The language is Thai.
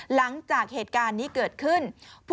หลังจากเหตุการณ์นี้เกิดขึ้น